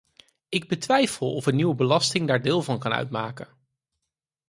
Ik betwijfel of een nieuwe belasting daar deel van kan uitmaken.